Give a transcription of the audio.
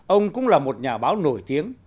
ông cũng là một nhà báo nổi tiếng